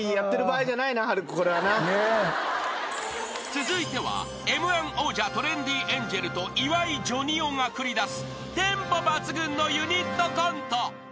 ［続いてはＭ−１王者トレンディエンジェルと岩井ジョニ男が繰り出すテンポ抜群のユニットコント］